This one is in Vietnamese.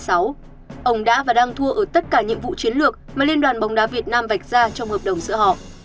ông đã và đang thua ở tất cả nhiệm vụ chiến lược mà liên đoàn bóng đá việt nam vạch ra trong hợp đồng giữa họ